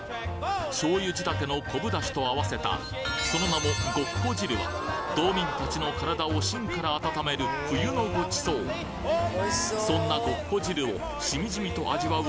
醤油仕立ての昆布ダシと合わせたその名もごっこ汁は道民たちの身体を芯から温める冬のごちそうそんなごっこ汁をしみじみと味わう